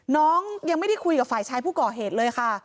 ยังไม่ได้คุยกับฝ่ายชายผู้ก่อเหตุเลยค่ะ